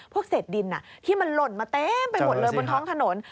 เศษดินที่มันหล่นมาเต็มไปหมดเลยบนท้องถนน